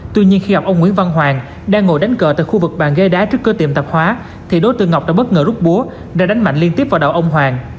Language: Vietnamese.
tuy nhiên khi gặp ông nguyễn văn hoàng đang ngồi đánh cờ tại khu vực bàn ghế đá trước cửa tiệm tạp hóa thì đối tượng ngọc đã bất ngờ rút búa đã đánh mạnh liên tiếp vào đào ông hoàng